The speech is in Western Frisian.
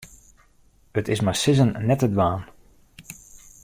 It is mei sizzen net te dwaan.